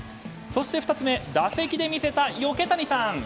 そして２つ目、打席で見せたヨケ谷サン。